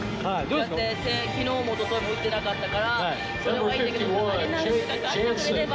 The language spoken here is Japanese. だってきのうもおとといも打ってなかったから、それはいいんだけど、カージナルスが勝ってくれれば。